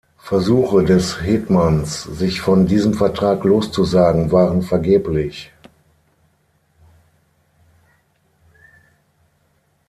Versuche des Hetmans, sich von diesem Vertrag loszusagen waren vergeblich.